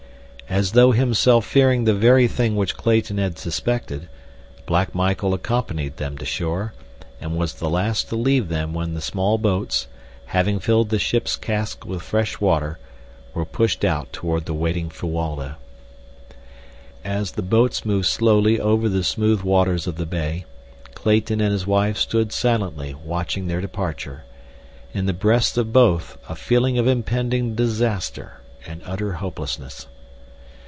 As though himself fearing the very thing which Clayton had suspected, Black Michael accompanied them to shore, and was the last to leave them when the small boats, having filled the ship's casks with fresh water, were pushed out toward the waiting Fuwalda. As the boats moved slowly over the smooth waters of the bay, Clayton and his wife stood silently watching their departure—in the breasts of both a feeling of impending disaster and utter hopelessness.